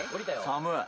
寒い。